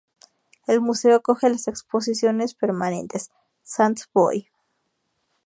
El museo acoge las exposiciones permanentes "Sant Boi.